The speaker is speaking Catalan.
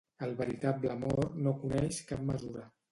El veritable amor no coneix cap mesura